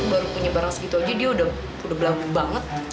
baru punya barang segitu aja dia udah belagu banget